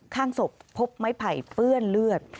ข้างศพพบไม้ไผ่เปื้อนเลือด